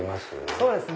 そうですね